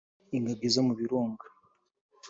ingagi zo mu birunga